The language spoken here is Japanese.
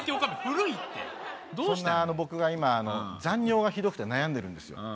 古いってそんな僕が今残尿がひどくて悩んでるんですよ